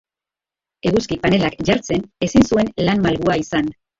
Eguzki-panelak jartzen ezin zuen lan malgua izan.